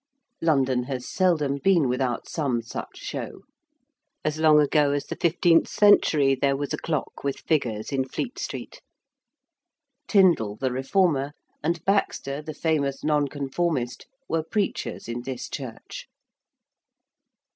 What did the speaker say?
London has seldom been without some such show. As long ago as the fifteenth century there was a clock with figures in Fleet Street. Tyndal the Reformer, and Baxter the famous Nonconformist were preachers in this church.